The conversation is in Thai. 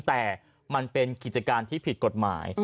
แต่มันเป็นกิจการที่ผิดกฎหมาย